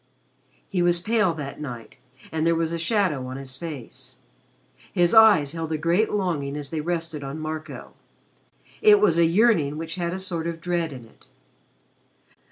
He was pale that night and there was a shadow on his face. His eyes held a great longing as they rested on Marco. It was a yearning which had a sort of dread in it.